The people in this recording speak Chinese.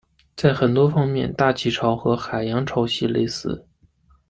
在很多方面大气潮和海洋潮汐类似。